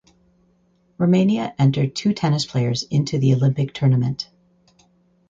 Romania entered two tennis players into the Olympic tournament.